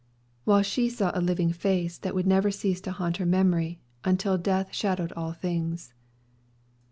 While she saw a living face, that would never cease to haunt her memory until death shadowed all things.